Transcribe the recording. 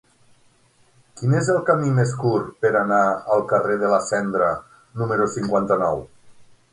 Quin és el camí més curt per anar al carrer de la Cendra número cinquanta-nou?